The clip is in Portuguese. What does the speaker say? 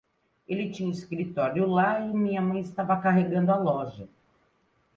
Ele tinha o escritório lá e minha mãe estava carregando a loja.